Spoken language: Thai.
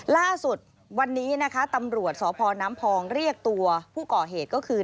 ล่าสุดวันนี้นะคะตำรวจสพน้ำพองเรียกตัวผู้ก่อเหตุก็คือ